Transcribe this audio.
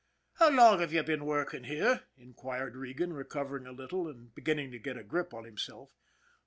" How long you been working here ?" inquired Regan, recovering a little and beginning to get a grip on himself.